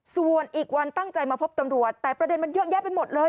ส่วนอีกวันตั้งใจมาพบตำรวจแต่ประเด็นมันเยอะแยะไปหมดเลย